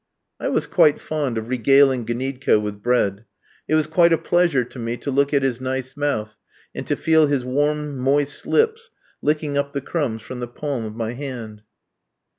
I was quite fond of regaling Gniedko with bread. It was quite a pleasure to me to look at his nice mouth, and to feel his warm, moist lips licking up the crumbs from the palm of my hand.